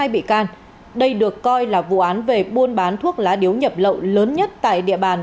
hai bị can đây được coi là vụ án về buôn bán thuốc lá điếu nhập lậu lớn nhất tại địa bàn